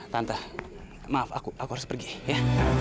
tante maaf aku harus pergi ya